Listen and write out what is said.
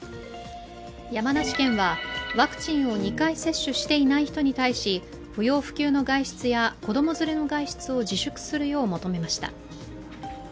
山梨県はワクチンを２回接種していない人に対し、不要不急の外出や子供連れの外出を自粛するよう求めました。